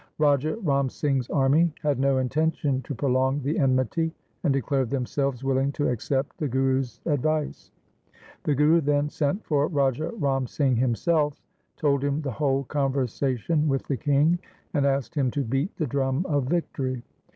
Raja Ram Singh's army had no intention to pro long the enmity, and declared themselves willing to accept the Guru's advice. The Guru then sent for Raja Ram Singh himself, told him the whole conversation with the king, and asked him to beat the drum of victory.